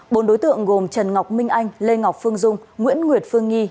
bốn đối tượng gồm trần ngọc minh anh lê ngọc phương dung nguyễn nguyệt phương nghi